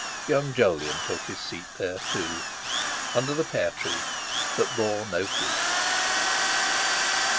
Young Jolyon took his seat there, too, under the pear tree that bore no fruit.